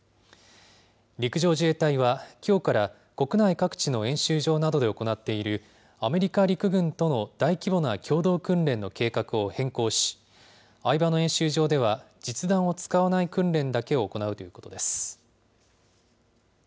陸上自衛隊は、きょうから、国内各地の演習場などで行っている、アメリカ陸軍との大規模な共同訓練の計画を変更し、饗庭野演習場では、実弾を使わない訓練だけを行うということです。